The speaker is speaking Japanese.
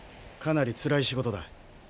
かなりつらい仕事だ。